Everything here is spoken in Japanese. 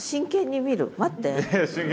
待って。